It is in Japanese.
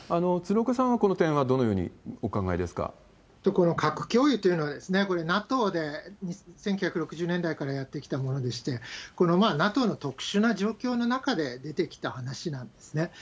鶴岡さんは、この点はどのようにこの各共有というのは、これ、ＮＡＴＯで１９６０年代からやってきたものでして、このＮＡＴＯの特殊な状況の中で出てきた話なんですね。